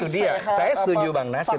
dia saya setuju bang nasir